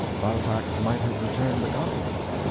Balzac might have returned the compliment.